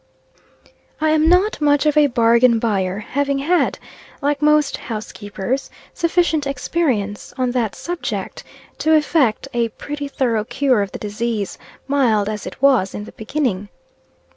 I AM not much of a bargain buyer, having had, like most housekeepers, sufficient experience on that subject to effect a pretty thorough cure of the disease, mild as it was in the beginning.